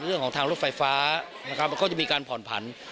เรื่องของทางรถไฟฟ้ามันก็จะมีการผ่อนผัน